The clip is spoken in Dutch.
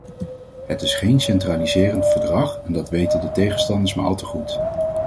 Het is geen centraliserend verdrag en dat weten de tegenstanders maar al te goed.